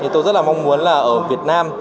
tôi rất mong muốn là ở việt nam